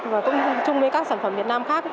và cũng chung với các sản phẩm việt nam khác